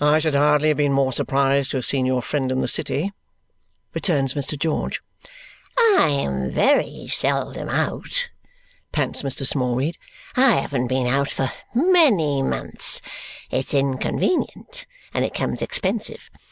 "I should hardly have been more surprised to have seen your friend in the city," returns Mr. George. "I am very seldom out," pants Mr. Smallweed. "I haven't been out for many months. It's inconvenient and it comes expensive.